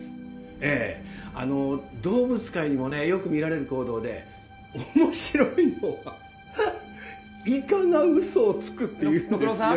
ええあの動物界にもねよく見られる行動で面白いのはイカがウソをつくっていうんですよ。